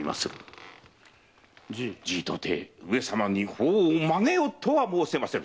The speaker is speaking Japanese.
じいとて上様に法を曲げよとは申せませぬ。